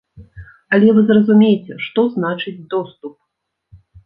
Але вы зразумейце, што значыць доступ.